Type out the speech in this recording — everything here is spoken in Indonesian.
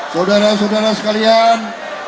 saudara saudara sekalian